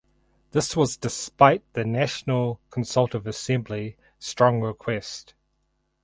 This was despite the National Consultative Assembly strong request.